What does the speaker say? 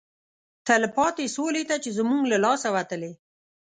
تلپاتې سولې ته چې زموږ له لاسه وتلی